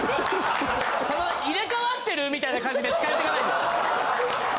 その入れ替わってるみたいな感じで近寄ってかないで。